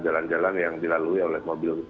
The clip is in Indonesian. jalan jalan yang dilalui oleh mobil